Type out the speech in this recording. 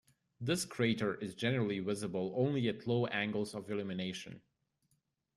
This crater is generally visible only at low angles of illumination.